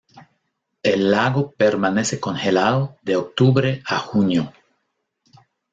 El lago permanece congelado de octubre a junio.